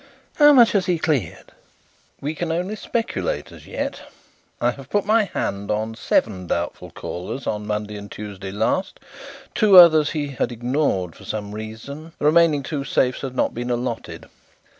How much has he cleared?" "We can only speculate as yet. I have put my hand on seven doubtful callers on Monday and Tuesday last. Two others he had ignored for some reason; the remaining two safes had not been allotted.